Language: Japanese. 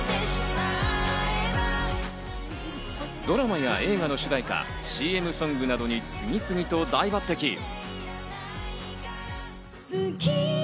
ドラマや映画の主題歌、ＣＭソングなどに次々と大抜てき。